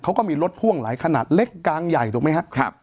เขาก็มีรถพ่วงหลายขนาดเล็กกลางใหญ่ถูกไหมครับ